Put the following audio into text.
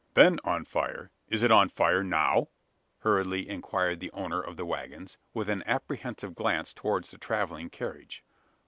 "Been on fire! Is it on fire now?" hurriedly inquired the owner of the waggons, with an apprehensive glance towards the travelling carriage.